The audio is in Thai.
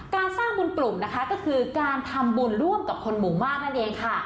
การสร้างบุญกลุ่มนะคะก็คือการทำบุญร่วมกับคนหมู่มากนั่นเองค่ะ